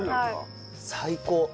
最高！